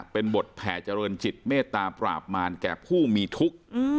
เป็นบทแผ่เจริญจิตเมตตาปราบมารแก่ผู้มีทุกข์